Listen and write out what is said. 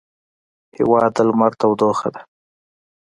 هېواد د لمر تودوخه ده.